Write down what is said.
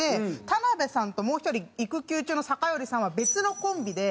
田辺さんともう１人育休中の酒寄さんは別のコンビで。